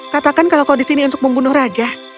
katakan kalau kau di sini untuk membunuh raja